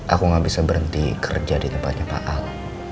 aku gak bisa berhenti kerja di tempatnya pak al